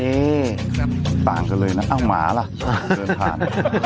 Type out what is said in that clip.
ต่างกันเลยนะเอ้าหมาล่ะเดินผ่าน